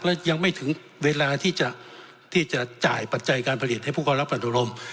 และยังไม่ถึงเวลาที่จะจ่ายปัจจัยการผลิตให้ผู้เขารับอนุรม